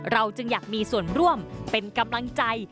จึงอยากมีส่วนร่วมเป็นกำลังใจ